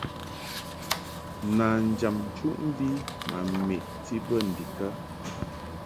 Nanjam nchuʼmvi ma meʼti bə ndikə ?